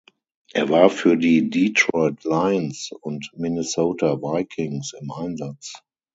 Er war für die Detroit Lions und Minnesota Vikings im Einsatz.